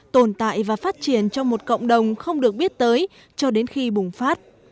tồn tại và phát triển trong một cộng đồng không được biết tới cho đến khi bùng phát